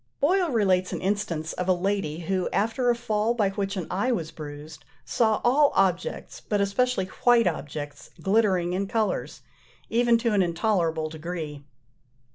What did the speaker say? Boyle relates an instance of a lady, who, after a fall by which an eye was bruised, saw all objects, but especially white objects, glittering in colours, even to an intolerable degree.